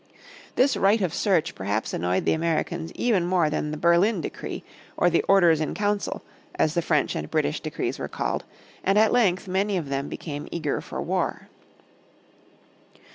This right of search perhaps annoyed the Americans even more than the Berlin Decree or the Orders in Council, as the French and British decrees were called, and at length many of them became eager for war.